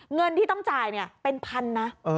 เงินที่ต้องจ่ายเป็นพันนะ